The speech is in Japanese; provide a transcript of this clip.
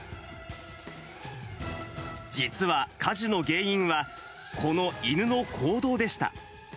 実は火事の原因は、この犬の行動でした。